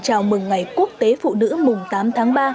chào mừng ngày quốc tế phụ nữ mùng tám tháng ba